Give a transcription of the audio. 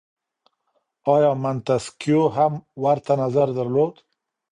آیا منتسکیو هم ورته نظر درلود؟